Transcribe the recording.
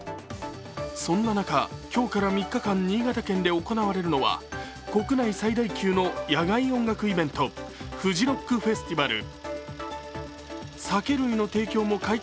そんな中、今日から３日間新潟県で行われるのは国内最大級の野外音楽イベントフジロックフェスティバル。